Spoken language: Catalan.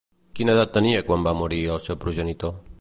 Quina edat tenia quan va morir el seu progenitor?